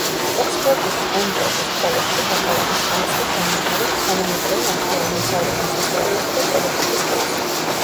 ოქსფორდის პემბროკის კოლეჯში ბაკალავრის ხარისხით დაამთავრა თანამედროვე ახლო აღმოსავლეთის ისტორიასა და პოლიტიკის კურსი.